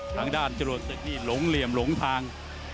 ทางด้านจรวดศึกนี่หลงเหลี่ยมหลงทาง